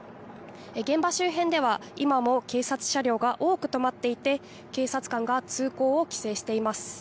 現場周辺では今も警察車両が多く止まっていて警察官が通行を規制しています。